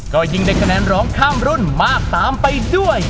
ก็ยิ่งได้คะแนนร้องข้ามรุ่นมากตามไปด้วย